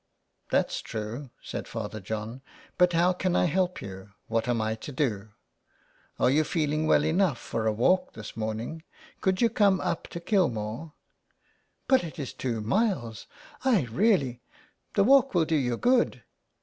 *' That's true," said Father John. " But how can I help you ? What am I to do ?"" Are you feeling well enough for a walk this morning ? Could you come up to Kilmore ?" "But it is two miles — I really "" The walk will do you good.